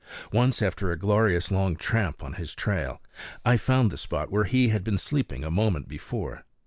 Once, after a glorious long tramp on his trail, I found the spot where he had been sleeping a moment before.